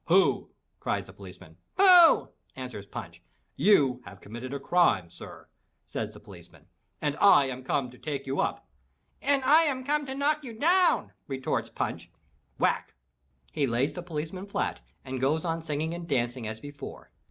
"Pooh!" cries the policeman. "Pooh!" answers Punch. "You have committed a crime, sir," says the policeman, "and I am come to take you up." "And I am come to knock you down!" retorts Punch. Whack! he lays the policeman flat and goes on singing and dancing as before.